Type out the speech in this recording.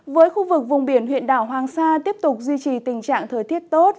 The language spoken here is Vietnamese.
với khu vực vùng biển huyện đảo hoàng sa tiếp tục duy trì tình trạng thời tiết tốt